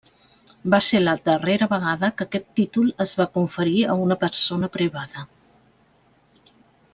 Va ser la darrera vegada que aquest títol es va conferir a una persona privada.